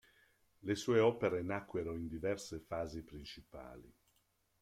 Le sue opere nacquero in diverse fasi principali.